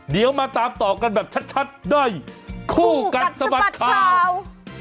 เดี๋ยวมาตามต่อกันแบบชัดในคู่กัดสะบัดข่าว